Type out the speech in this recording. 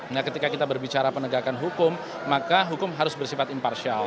nah ketika kita berbicara penegakan hukum maka hukum harus bersifat imparsial